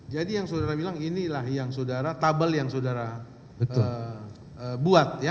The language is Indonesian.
jadi yang saudara bilang inilah yang saudara tabel yang saudara buat ya